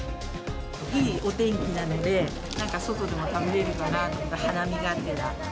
いいお天気なので、外でも食べれるかなとか、花見がてら。